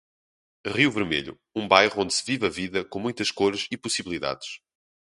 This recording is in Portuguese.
Rio Vermelho, um bairro onde se vive a vida com muitas cores e possibilidades.